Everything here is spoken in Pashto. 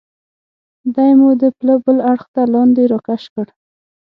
دی مو د پله بل اړخ ته لاندې را کش کړ.